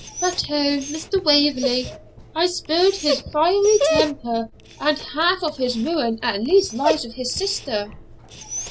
But O, Mr. Waverley, I spurred his fiery temper, and half of his ruin at least lies with his sister!'